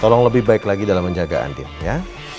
tolong lebih baik lagi dalam menjaga andin ya